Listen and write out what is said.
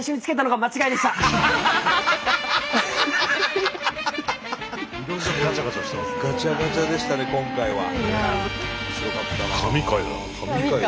がちゃがちゃでしたね今回は。